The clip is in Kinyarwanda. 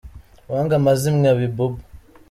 Uwanga amazimwe aba ibubu.